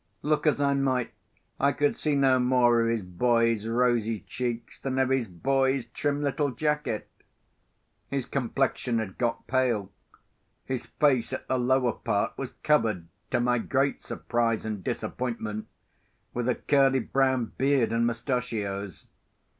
Look as I might, I could see no more of his boy's rosy cheeks than of his boy's trim little jacket. His complexion had got pale: his face, at the lower part was covered, to my great surprise and disappointment, with a curly brown beard and moustachios.